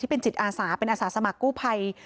เป็นจิตอาสาเป็นอาสาสมัครกู้ภัย